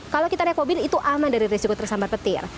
kalau kita lihat mobil itu aman dari risiko tersambar petir